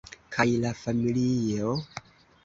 Kaj la familio?